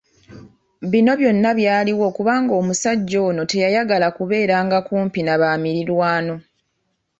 Bino byonna byaliwo kubanga omusajja ono teyayagala kubeera nga kumpi n'abamirirwano.